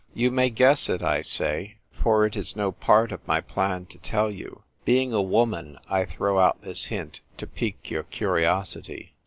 You may guess it, I say ; for it is no part ol my plan to tell you. Being a woman, I throw out this hint to pique your curiosity.